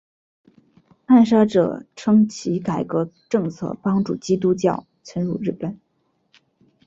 暗杀者称其改革政策帮助基督教渗入日本。